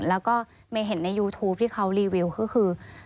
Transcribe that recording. แล้วก็เมย์เห็นในยูทูปที่เขารีวิวก็คือ